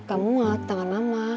kamu mah tangan mama